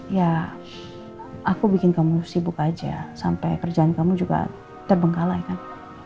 ya aku bikin kamu sibuk aja sampai kerjaan kamu juga terbengkalai kan